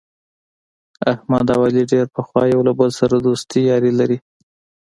احمد او علي ډېر پخوا یو له بل سره دوستي یاري لري.